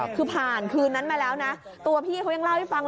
คือผ่านคืนนั้นมาแล้วนะตัวพี่เขายังเล่าให้ฟัง